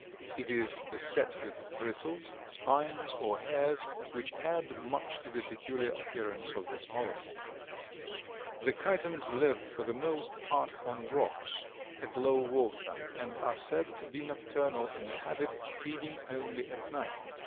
It is beset with bristles, spines or hairs, which add much to the peculiar appearance of this mollusk. The Chitons live for the most part on rocks at low water and are said to be nocturnal in habit, feeding only at night.